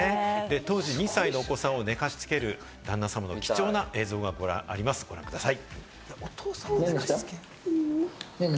当時２歳のお子さんを寝かしつける旦那さんの貴重な映像があります、ご覧ください。